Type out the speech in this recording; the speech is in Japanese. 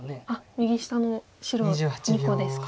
右下の白２個ですか。